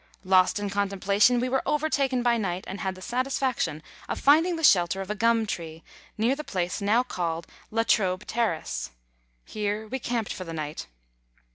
Lost in contemplation, we were overtaken by night, and had the satisfac tion of finding the shelter of a gum tree near the place now called " La Trobe Terrace "; here we camped for the night.